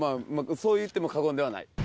そう言っても過言ではない。